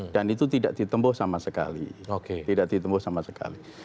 dan itu tidak ditembus sama sekali